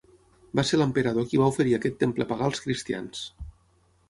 Va ser l'emperador qui va oferir aquest temple pagà als cristians.